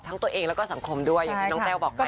ทั้งตัวเองและก็สังคมด้วยอย่างที่น้องเต้าบอกได้ค่ะ